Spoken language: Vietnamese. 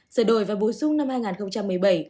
sửa đổi và bổ sung năm hai nghìn một mươi bảy